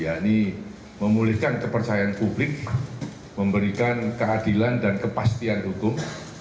yakni memulihkan kepercayaan publik memberikan keadilan dan kepastian hukum